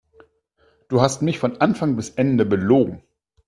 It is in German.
Du hast mich von Anfang bis Ende belogen.